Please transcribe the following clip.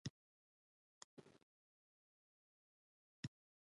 آیا کروندې به شنې شي؟